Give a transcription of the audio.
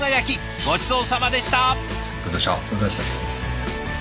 ごちそうさまでした。